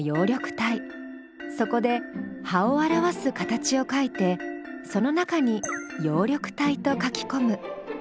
そこで葉を表す形を書いてその中に「葉緑体」と書きこむ。